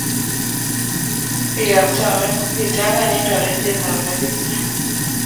Biik ab chamait kokichangan eng toretet ab rabisiek